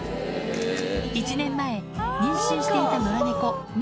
１年前妊娠していた野良猫み